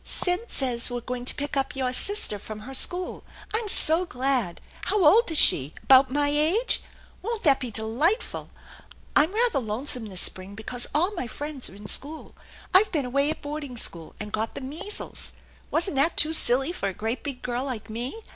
<e Sid says we're going to pick up your sister from her echool. I'm so glad ! How old is she ? About my age ? Won't that be delightful? I'm rather lonesome this spring because all my friends are in school. I've been away at boarding school, and got the measles. Wasn't that too silly lor a great big girl like me